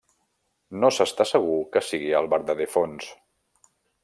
No s'està segur que sigui el verdader fons.